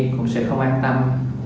cũng sẽ không an tâm